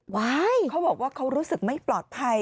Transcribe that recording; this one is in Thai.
เขาบอกว่าเขารู้สึกไม่ปลอดภัย